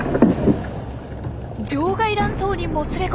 場外乱闘にもつれ込みました。